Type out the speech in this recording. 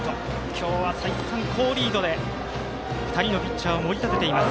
今日は再三、好リードで２人のピッチャーを盛り立てています。